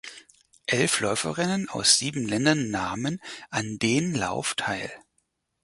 Elf Läuferinnen aus sieben Ländern nahmen an den Lauf teil.